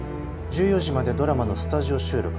１４時までドラマのスタジオ収録。